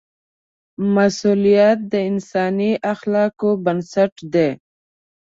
مسؤلیت د انساني اخلاقو بنسټ دی.